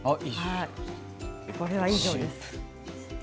これは以上です。